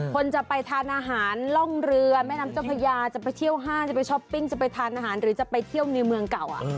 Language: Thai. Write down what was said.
คนจะไปทานอาหารล่องเรือแม่น้ำเจ้าพญาจะไปเที่ยวห้างจะไปช้อปปิ้งจะไปทานอาหารหรือจะไปเที่ยวในเมืองเก่า